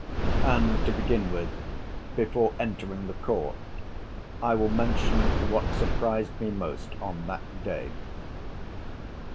And, to begin with, before entering the court, I will mention what surprised me most on that day.